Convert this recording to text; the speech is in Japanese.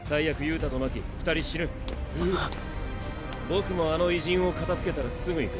僕もあの異人を片づけたらすぐ行く。